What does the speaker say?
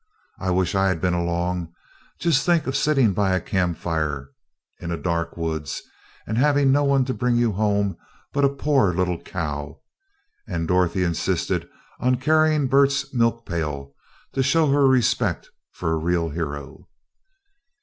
I wish I had been along. Just think of sitting by a campfire in a dark woods, and having no one to bring you home but a poor little cow!" and Dorothy insisted on carrying Bert's milk pail to show her respect for a real hero.